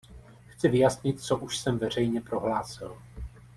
Chci vyjasnit, co už jsem veřejně prohlásil.